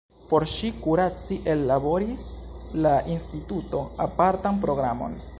Por ŝin kuraci ellaboris la instituto apartan programon.